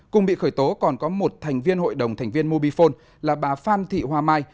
cùng bị khởi tố còn có một thành viên hội đồng thành viên mobifone là bà phan thị hoa mai